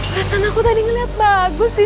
rasanya aku tadi liat bagus disini